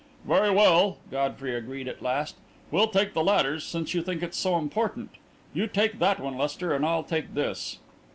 "Very well," Godfrey agreed, at last. "We'll take the ladders, since you think it so important. You take that one, Lester, and I'll take this."